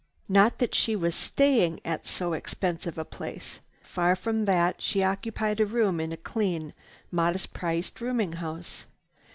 Not that she was staying at so expensive a place. Far from that, she occupied a room in a clean, modest priced rooming house.